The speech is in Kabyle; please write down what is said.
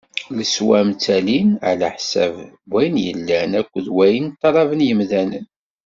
Leswam ttalin ɛla ḥsab n wayen yellan akked wayen ṭṭalaben yimdanen.